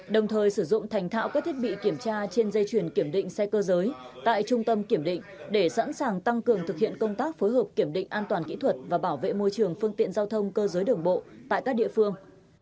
đồng thời sử dụng thành thạo các thiết bị kiểm tra trên dây chuyển kiểm định xe cơ giới tại trung tâm kiểm định để sẵn sàng tăng cường thực hiện công tác phối hợp kiểm định an toàn kỹ thuật và bảo vệ môi trường phương tiện giao thông cơ giới đường bộ tại các địa phương